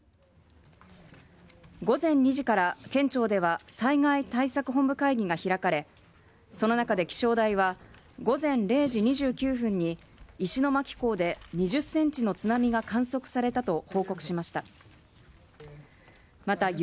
午前２時から県庁では災害対策本部会議が開かれその中で気象台は午前０時２９分に石巻港で２０センチの津波が観測されたと報告しました。